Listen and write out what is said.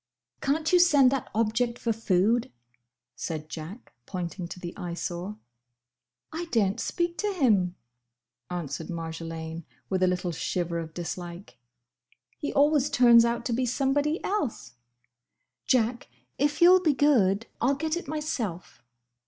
"Can't you send that object for food?" said Jack, pointing to the Eyesore. "I daren't speak to him," answered Marjolaine, with a little shiver of dislike. "He always turns out to be somebody else. Jack! if you 'll be good, I 'll get it myself!"